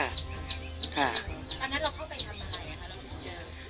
ตอนนั้นเราเข้าไปทำใครค่ะ